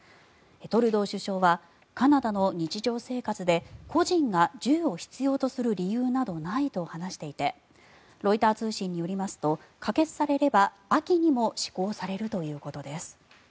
トルドー首相はカナダの日常生活で個人が銃を必要とする理由などないと話していてロイター通信によりますと可決されれば秋にも施行されるということです。